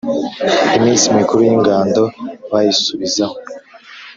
Iminsi mikuru y'ingando bayisubizaho